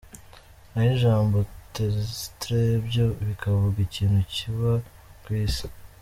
Naho ijambo terrestre byo bikavuga ikintu kiba ku isi.